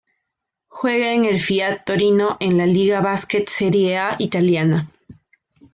Juega en el Fiat Torino en la Lega Basket Serie A italiana.